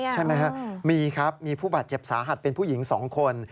ใช่ไหมครับมีครับมีผู้บาดเจ็บสาหัสเป็นผู้หญิง๒คน